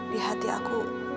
di hati aku